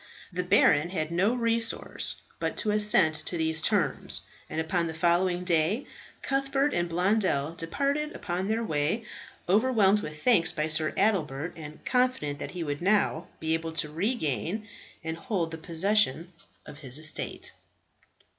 The baron had no resource but to assent to these terms, and upon the following day Cuthbert and Blondel departed upon their way, overwhelmed with thanks by Sir Adelbert, and confident that he would now be able to regain and hold the possession of his estate.